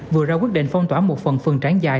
vừa ra quyết định phong tỏa một phần phường tráng dài